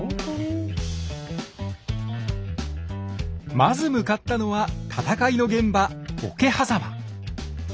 まず向かったのは戦いの現場桶狭間。